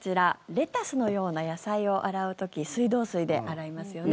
レタスのような野菜を洗う時水道水で洗いますよね。